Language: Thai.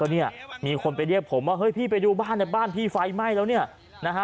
เนี่ยมีคนไปเรียกผมว่าเฮ้ยพี่ไปดูบ้านในบ้านพี่ไฟไหม้แล้วเนี่ยนะฮะ